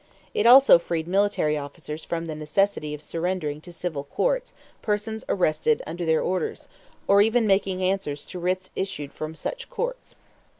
It also freed military officers from the necessity of surrendering to civil courts persons arrested under their orders, or even making answers to writs issued from such courts.